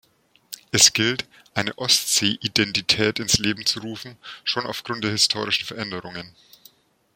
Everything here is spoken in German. Es gilt, eine Ostsee-Identität ins Leben zu rufen, schon aufgrund der historischen Veränderungen.